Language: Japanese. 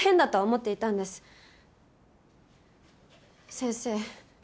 先生